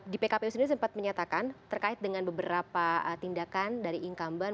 di pkpu sendiri sempat menyatakan terkait dengan beberapa tindakan dari incumbent